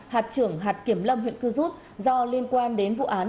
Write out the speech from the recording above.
hạt trưởng hạt kiểm lâm huyện cư rút do liên quan đến vụ án